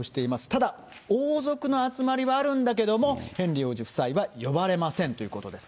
ただ、王族の集まりはあるんだけども、ヘンリー王子夫妻は呼ばれませんということです。